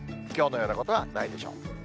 きょうのようなことはないでしょう。